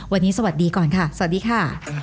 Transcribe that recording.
วันนี้สวัสดีก่อนค่ะสวัสดีค่ะ